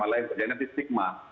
malah yang terjadi nanti stigma